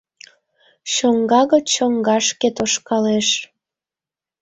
Чоҥга гыч чоҥгашке тошкалеш.